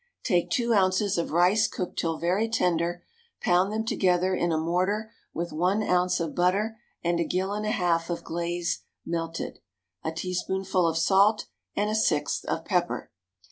Take two ounces of rice cooked till very tender, pound them together in a mortar with one ounce of butter and a gill and a half of glaze melted, a teaspoonful of salt, and a sixth of pepper.